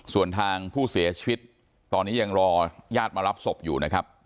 ส่วนทางผู้เสียชีวิตตอนนี้ยังรอญาติมารับศพอยู่นะครับ